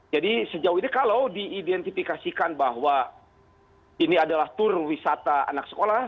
jadi sejauh ini kalau diidentifikasikan bahwa ini adalah tur wisata anak sekolah